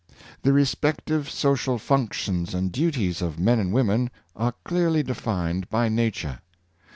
The re spective social functions and duties of men and women are clearly defined by nature.